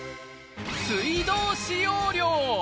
水道使用量。